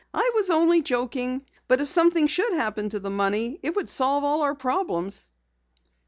"I was only joking. But if something should happen to the money, it would solve all our problems."